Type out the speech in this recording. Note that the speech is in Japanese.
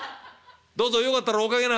どうぞよかったらお掛けなさい」。